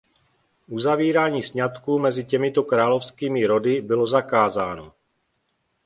Uzavírání sňatků mezi těmito královskými rody bylo zakázáno.